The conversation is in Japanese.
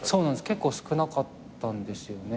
結構少なかったんですよね。